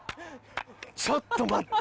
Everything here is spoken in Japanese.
ちょっと待って。